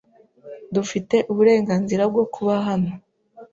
Dufite uburenganzira bwo kuba hano.